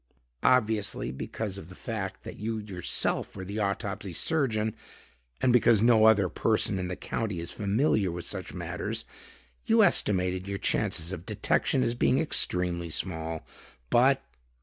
Obviously, because of the fact that you yourself were the autopsy surgeon, and because no other person in the County is familiar with such matters, you estimated your chances of detection as being extremely small. But...."